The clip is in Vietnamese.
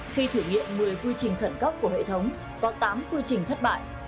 khi thử nghiệm một mươi quy trình khẩn cấp của hệ thống có tám quy trình thất bại